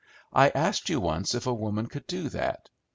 I asked you once if a woman could do that.